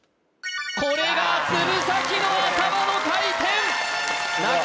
これが鶴崎の頭の回転なか